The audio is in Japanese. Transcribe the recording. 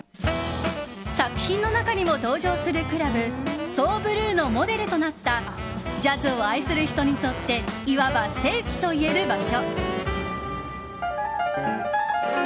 作品の中にも登場するクラブＳｏＢｌｕｅのモデルとなったジャズを愛する人にとっていわば聖地といえる場所。